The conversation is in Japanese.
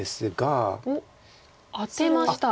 おっアテました。